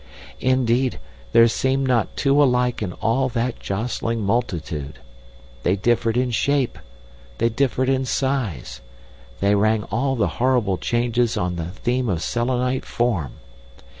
"Indeed, there seemed not two alike in all that jostling multitude. They differed in shape, they differed in size, they rang all the horrible changes on the theme of Selenite form!